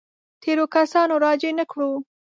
تېرو کسانو راجع نه کړو.